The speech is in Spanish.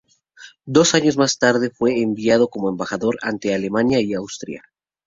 Dos años más tarde fue enviado como embajador ante Alemania y Austria.